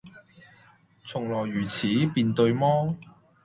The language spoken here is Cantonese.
「從來如此，便對麼？」